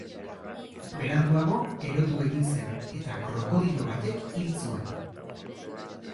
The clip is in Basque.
Beranduago, erotu egin zen eta krokodilo batek hil zuen.